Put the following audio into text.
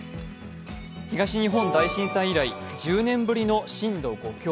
東日本大震災以来１０年ぶりの震度５強。